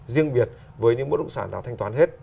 riêng biệt với những bất động sản nào thanh toán hết